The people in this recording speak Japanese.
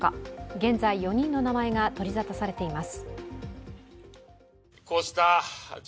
現在４人の名前が取りざたされています。